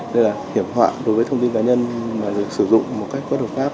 nên là hiểm họa đối với thông tin cá nhân mà được sử dụng một cách có độc pháp